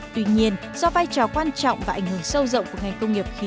tuy nhiên do vai trò quan trọng và ảnh hưởng sâu rộng của ngành công nghiệp khí